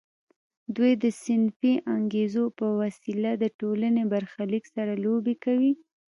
دوی د صنفي انګیزو په وسیله د ټولنې برخلیک سره لوبې کوي